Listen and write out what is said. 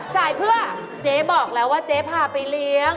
จ่ายเพื่อเจ๊บอกแล้วว่าเจ๊พาไปเลี้ยง